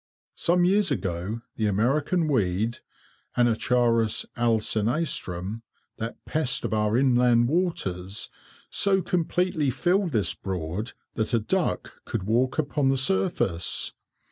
Some years ago the American weed, Anacharis alsinastrum, that pest of our inland waters, so completely filled this Broad, that a duck could walk upon the surface.